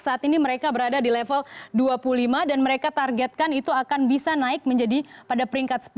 saat ini mereka berada di level dua puluh lima dan mereka targetkan itu akan bisa naik menjadi pada peringkat sepuluh